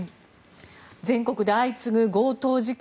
全国で相次ぐ強盗事件。